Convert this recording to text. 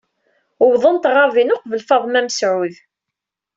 Uwḍent ɣer din uqbel Faḍma Mesɛud.